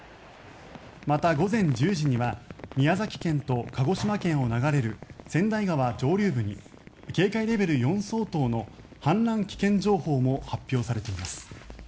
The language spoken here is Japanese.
また、午前１０時には宮崎県と鹿児島県を流れる川内川上流部に警戒レベル４相当の氾濫危険情報も発表されています。